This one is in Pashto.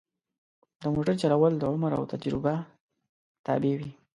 د موټر چلول د عمر او تجربه تابع وي.